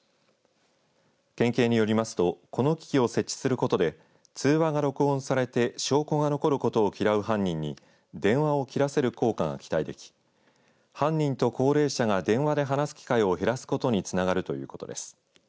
県警によりますとこの機器を設置することで通話が録音されて証拠が残ることを嫌う犯人に電話を切らせる効果が期待でき犯人と高齢者が電話で話す機会を減らすことにつながるということです。